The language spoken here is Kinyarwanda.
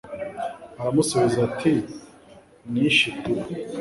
aramusubiza ati nishe idubu